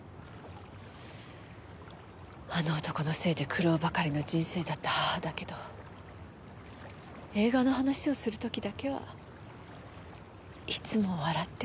あの男のせいで苦労ばかりの人生だった母だけど映画の話をする時だけはいつも笑ってた。